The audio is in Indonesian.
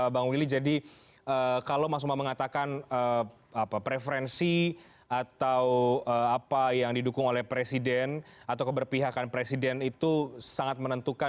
bang willy jadi kalau mas umam mengatakan preferensi atau apa yang didukung oleh presiden atau keberpihakan presiden itu sangat menentukan